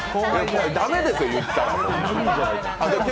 だめですよ、言ったら。